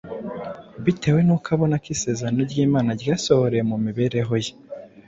bitewe n’uko abona ko isezerano ry’Imana ryasohoreye mu mibereho ye